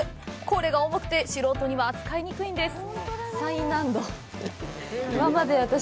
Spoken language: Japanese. これが重くて、素人には扱いにくいんです。